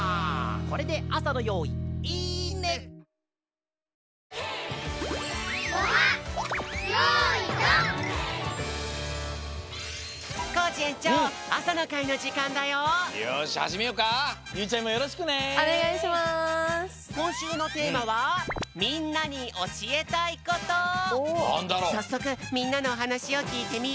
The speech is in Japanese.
こんしゅうのテーマはさっそくみんなのおはなしをきいてみよう！